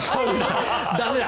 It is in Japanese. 駄目だ。